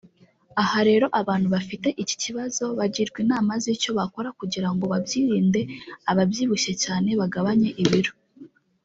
Aha rero abantu bafite iki kibazo bagirwa inama z’icyo bakora kugira ngo babyirinde ababyibushye cyane bagabanya ibiro